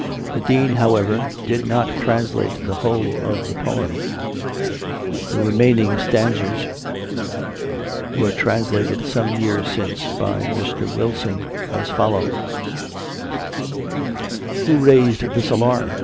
The Dean, however, did not translate the whole of the poem; the remaining stanzas were translated some years since by Mr. Wilson, as follow: Who rais'd this alarm?